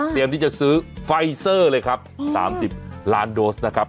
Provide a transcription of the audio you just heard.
ที่จะซื้อไฟเซอร์เลยครับ๓๐ล้านโดสนะครับ